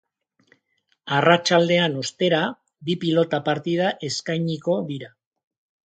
Arratsaldean, ostera, bi pilota partida eskainiko dira.